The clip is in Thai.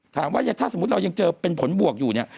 ถามว่าถ้าสมมุติเรายังเจอเป็นผลบวกอยู่เนี่ย